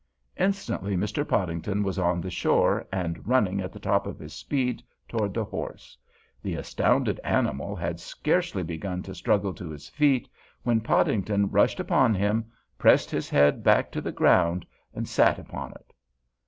Instantly Mr. Podington was on the shore and running at the top of his speed toward the horse. The astounded animal had scarcely begun to struggle to his feet when Podington rushed upon him, pressed his head back to the ground, and sat upon it.